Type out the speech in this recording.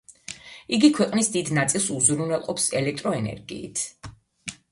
იგი ქვეყნის დიდ ნაწილს უზრუნველყოფს ელექტროენერგიით.